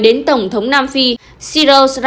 đến tổng thống nam phi